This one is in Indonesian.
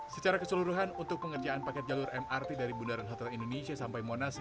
secara keseluruhan untuk pengerjaan paket jalur mrt dari bundaran hotel indonesia sampai monas